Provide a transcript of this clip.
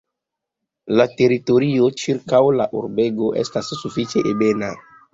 La teritorio ĉirkaŭ la urbego estas sufiĉe ebena.